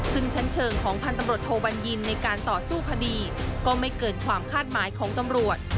ซึ่งชั้นเชิงของพันตำรวจโทบัญญินในการต่อสู้คดีก็ไม่เกินความคาดหมายของตำรวจ